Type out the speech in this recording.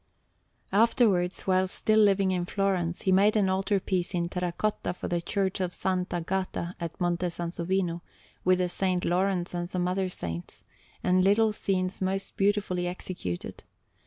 Afterwards, while still living in Florence, he made an altar piece in terra cotta for the Church of S. Agata at Monte Sansovino, with a S. Laurence and some other saints, and little scenes most beautifully executed.